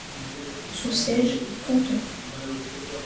Son siège est Canton.